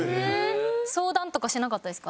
相談とかしなかったですか？